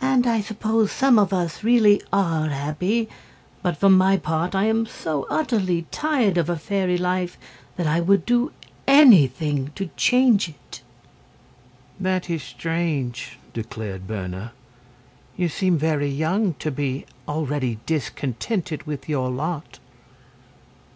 And I suppose some of us really are happy. But, for my part, I am so utterly tired of a fairy life that I would do anything to change it." "That is strange," declared Berna. "You seem very young to be already discontented with your lot."